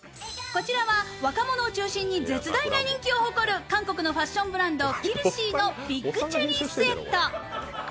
こちらは若者を中心に絶大な人気を誇る韓国のファッションブランドキルシーのビッグチェリースエット。